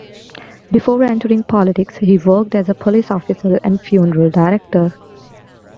Before entering politics he worked as a police officer and funeral director.